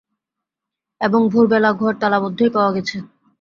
এবং ভোরবেলা ঘর তালাবন্ধই পাওয়া গেছে।